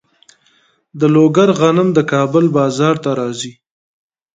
د لوګر غنم د کابل بازار ته راځي.